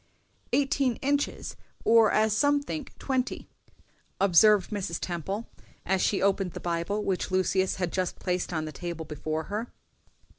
"Eighteen inches, or, as some think twenty," observed Mrs. Temple, as she opened the Bible which Lucius had just placed on the table before her.